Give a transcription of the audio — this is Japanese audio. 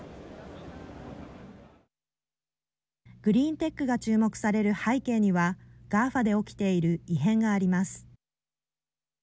グリーンテックが注目される背景にはＧＡＦＡで起きている異変があります。